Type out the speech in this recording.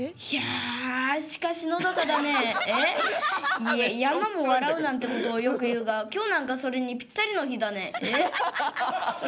いや山も笑うなんてことをよく言うが今日なんかそれにぴったりの日だねえええ？」。